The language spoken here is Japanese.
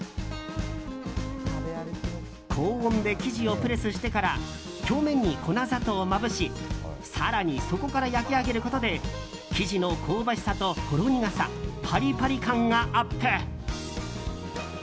高温で生地をプレスしてから表面に粉砂糖をまぶし更にそこから焼き上げることで生地の香ばしさとほろ苦さパリパリ感がアップ。